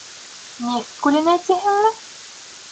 Нефть күленә, тиһеңме?